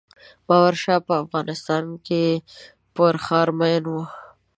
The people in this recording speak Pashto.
بابر شاه په افغانستان کې پر ښار مین و.